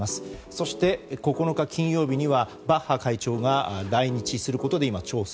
そして、９日金曜日にはバッハ会長が来日することで調整。